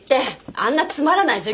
あんなつまらない授業